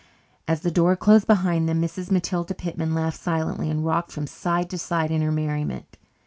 As the door closed behind them, Mrs. Matilda Pitman laughed silently, and rocked from side to side in her merriment.